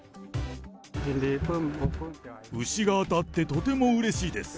牛が当たってとてもうれしいです。